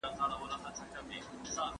آیا شرم د انسان مخه نیسي؟